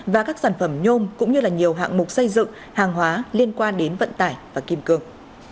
và các sản phẩm nhôm cũng như là nhiều hạng mục xây dựng hàng hóa liên quan đến vận tải và kim cương